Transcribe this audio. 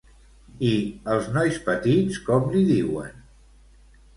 I els nois petits com li diuen?